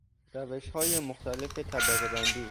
روشهای مختلف طبقه بندی